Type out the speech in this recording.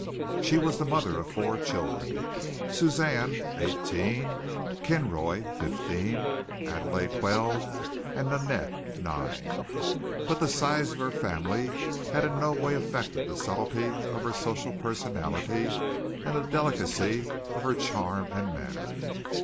She was the mother of four children, Suzanne, eighteen; Kinroy, fifteen; Adele, twelve, and Ninette, nine, but the size of her family had in no way affected the subtlety of her social personality and the delicacy of her charm and manner.